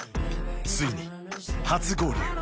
ついに、初合流。